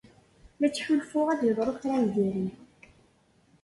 La ttḥulfuɣ ad yeḍru kra n diri.